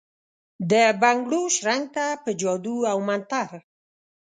دبنګړو شرنګ ته ، په جادو اومنتر ،